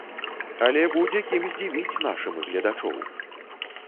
Але будзе кім здзівіць нашым гледачоў!